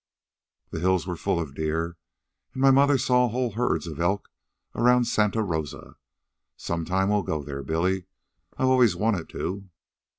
"The hills were full of deer, and my mother saw whole herds of elk around Santa Rosa. Some time we'll go there, Billy. I've always wanted to."